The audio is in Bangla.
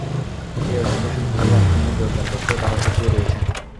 সেই অর্জনকে শুধু ধরে রাখতে নয়, জোরদার করতেও তাঁরা সক্রিয় রয়েছেন।